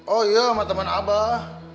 oh iya sama teman abah